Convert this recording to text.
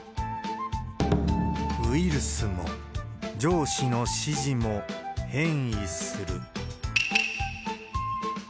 ウイルスも、上司の指示も、変異する。